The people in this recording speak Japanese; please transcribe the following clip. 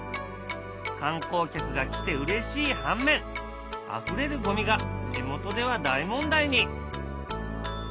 観光客が来てうれしい反面あふれるゴミが地元では大問題に。